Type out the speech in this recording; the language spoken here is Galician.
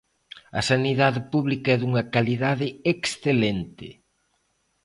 A sanidade pública é dunha calidade excelente.